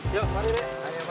yuk mari dek